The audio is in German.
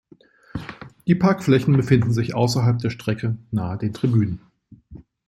Die Parkflächen befinden sich außerhalb der Strecke nahe der Tribünen.